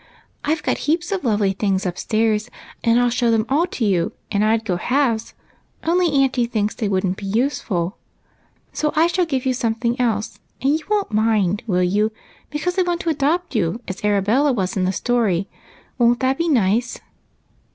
" I Ve got heaps of lovely things upstairs, and I '11 show them all to you, and I 'd go halves, only auntie thinks they would n't be useful, so I shall give you A BELT AND A BOX. 57 something else; and you won't mind, will you? be cause I want to adojot you as Arabella was in the story. Won't that be nice?"